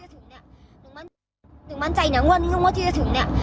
หนึ่งมั่นใจนะงวดนี้งวดที่จะถึงเนี่ย